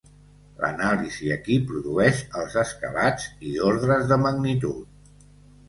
L'anàlisi aquí produeix els escalats i ordres de magnitud.